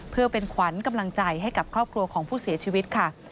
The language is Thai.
เพื่อเป็นขวัญกำลังใจให้กับครอบครัวของผู้เสียชีวิตค่ะ